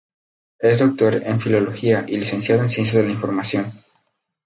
Es doctor en Filología y licenciado en Ciencias de la Información.